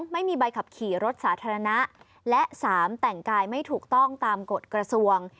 ไม่มีใบขับขี่รถสาธารณะและ๓แต่งกายไม่ถูกต้องตามกฎกระทรวง